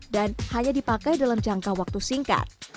dan hanya dipakai dalam jangka waktu singkat